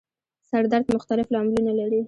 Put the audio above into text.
سر درد مختلف لاملونه لري